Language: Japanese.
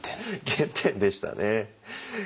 原点でしたね。